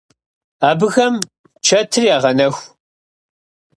Абыхэм чэтыр ягъэнэху.